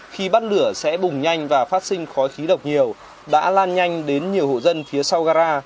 khi bắt lửa sẽ bùng nhanh và phát sinh khói khí độc nhiều đã lan nhanh đến nhiều hộ dân phía sau gara